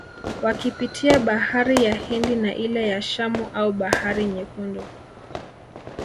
Wakipitia bahari ya Hindi na ile ya Shamu au bahari Nyekundu